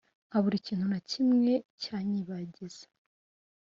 nkabura ikgintu na kimwe cyanyibagiza